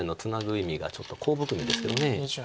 意味がちょっとコウ含みですけど。